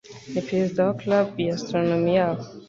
ni perezida wa club ya astronomie yaho.